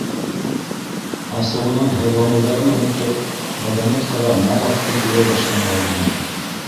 Асыуынан һыҙланыуҙарын онотоп, вагонеткаға мал аҫтын тейәй башланы Ғәлимә.